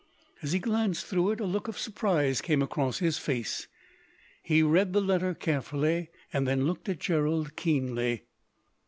As he glanced through it, a look of surprise came across his face, and he read the letter carefully, and then looked at Gerald keenly.